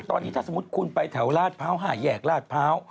ตอนนี้ถ้าสมมติคุณไปแถวราชเภาหาแยกราชเภา